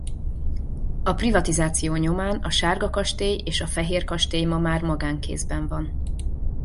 A privatizáció nyomán a sárga kastély és a fehér kastély ma már magánkézben van.